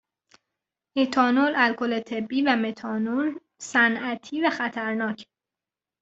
اتانول الکل طبی و متانول صنعتی و خطرناکه